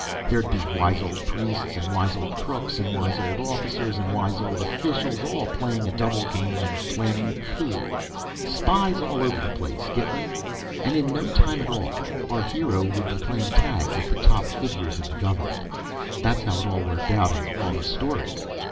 There'd be wise old priests and wise old crooks and wise old officers and wise old officials, all playing a double game and planning a coup. Spies all over the place, get me? And in no time at all, our hero would be playing tag with the top figures in the government. That's how it worked out in all the stories.